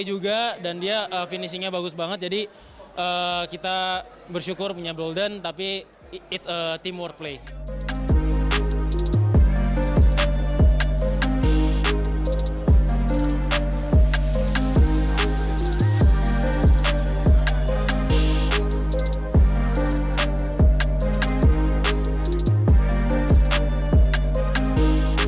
jadi seperti yang saya katakan kita hanya teruja untuk menunjukkan apa yang kita bekerja